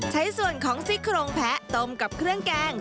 ใช้ส่วนของซี่โครงแพะต้มกับเครื่องแกง